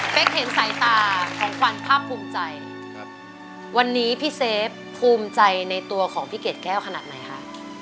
เป็นเห็นสายตาของขวัญภาคภูมิใจวันนี้พี่เซฟภูมิใจในตัวของพี่เกดแก้วขนาดไหนคะ